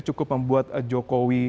cukup membuat jokowi